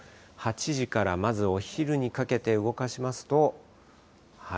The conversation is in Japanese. ８時からまずお昼にかけて動かしますと。